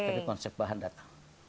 tapi konsep bahan datang